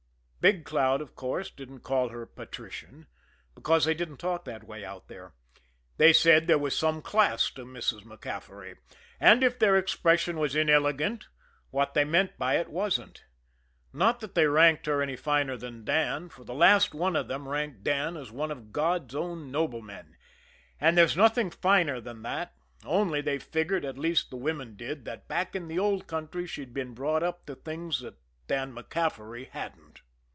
Big Cloud, of course, didn't call her patrician because they didn't talk that way out there. They said there was "some class" to Mrs. MacCaffery and if their expression was inelegant, what they meant by it wasn't. Not that they ranked her any finer than Dan, for the last one of them ranked Dan as one of God's own noblemen, and there's nothing finer than that, only they figured, at least the women did, that back in the Old Country she'd been brought up to things that Dan MacCaffery hadn't.